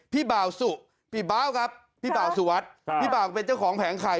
พี่เบาสุพี่เบาครับพี่เบาสุวัสด์พี่เบาเป็นเจ้าของแผงไข่